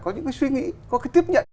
có những cái suy nghĩ có cái tiếp nhận